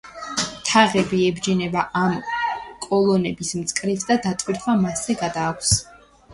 თაღები ებჯინება ამ კოლონების მწკრივს და დატვირთვა მასზე გადააქვს.